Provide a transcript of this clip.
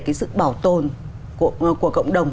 cái sự bảo tồn của cộng đồng